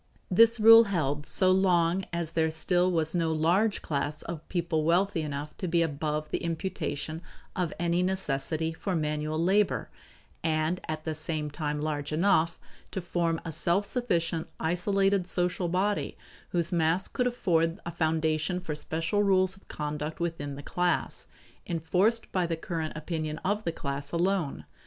This rule held so long as there still was no large class of people wealthy enough to be above the imputation of any necessity for manual labor and at the same time large enough to form a self sufficient, isolated social body whose mass would afford a foundation for special rules of conduct within the class, enforced by the current opinion of the class alone.